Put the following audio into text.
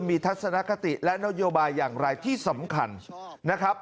มีทัศนคติและนโยบายอย่างไรที่สำคัญนะครับ